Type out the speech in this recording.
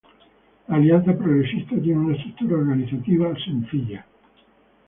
La Alianza Progresista tiene una estructura organizativa sencilla.